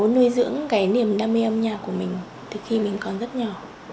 những cái niềm đam mê âm nhạc của mình từ khi mình còn rất nhỏ